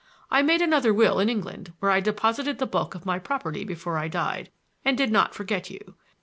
I made another will in England, where I deposited the bulk of my property before I died, and did not forget you.